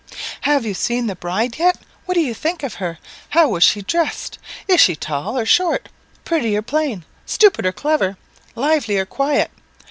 "Have you seen the bride yet? What do you think of her? How was she dressed? Is she tall, or short? Pretty, or plain? Stupid, or clever? Lively, or quiet?"